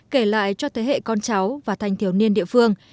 kể lại cho thế hệ con cháu và thanh thiếu niên địa phương